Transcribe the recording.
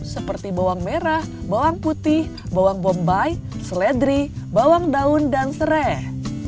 seperti bawang merah bawang putih bawang bombay seledri bawang daun dan serai